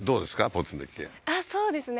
ポツンと一軒家そうですね